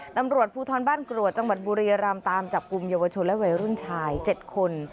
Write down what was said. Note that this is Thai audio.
ตำรวจภูทรบ้านกรวดจังหวัดบุรียรำตามจับกลุ่มเยาวชนและวัยรุ่นชาย๗คน